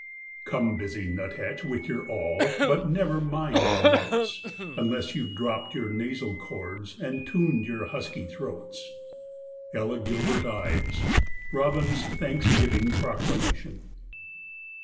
_) Come, busy nuthatch, with your awl, But never mind your notes, Unless you've dropped your nasal chords And tuned your husky throats. —Ella Gilbert Ives, "Robin's Thanksgiving Proclamation."